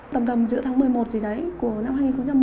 tầm tầm giữa tháng một mươi một gì đấy của năm hai nghìn một mươi